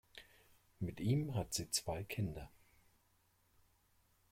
Mit ihm hat sie zwei Kinder.